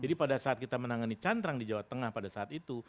jadi pada saat kita menangani cantrang di jawa tengah pada saat itu